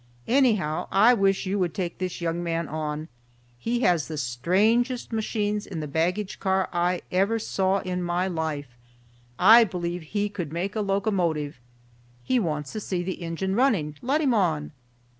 "Anyhow, I wish you would take this young man on. He has the strangest machines in the baggage car I ever saw in my life. I believe he could make a locomotive. He wants to see the engine running. Let him on."